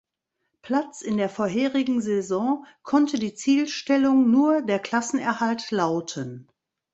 Platz in der vorherigen Saison konnte die Zielstellung nur der Klassenerhalt lauten.